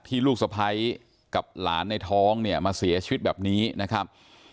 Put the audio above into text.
ลูกสะพ้ายกับหลานในท้องเนี่ยมาเสียชีวิตแบบนี้นะครับ